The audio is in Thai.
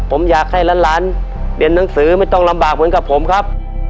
ผมอยากให้หลานเรียนหนังสือไม่ต้องลำบากเหมือนกับผมครับ